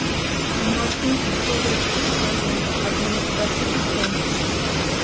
წარმოადგენს ფლორეშტის რაიონის ადმინისტრაციულ ცენტრს.